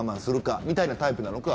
みたいなタイプなのか。